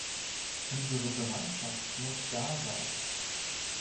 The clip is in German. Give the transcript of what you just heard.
Unsere Bereitschaft muss da sein.